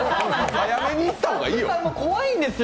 早めに行った方がいいよ。